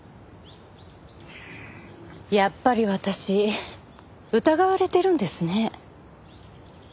やっぱり私疑われてるんですね。